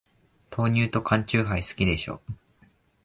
豆乳と缶チューハイ、好きでしょ。